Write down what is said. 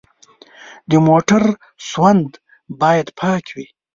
د موټر سوند باید پاک وي.